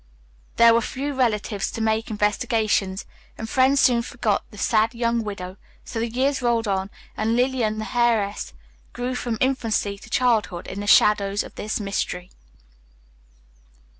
There were few relatives to make investigations, and friends soon forgot the sad young widow; so the years rolled on, and Lillian the heiress grew from infancy to childhood in the shadow of this mystery.